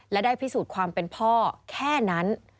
และได้พิสูจน์ความเป็นพ่อแค่นั้น